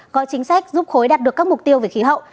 có chính sách giúp khối đạt được các mục tiêu về khí hậu